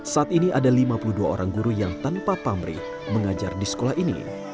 saat ini ada lima puluh dua orang guru yang tanpa pamrih mengajar di sekolah ini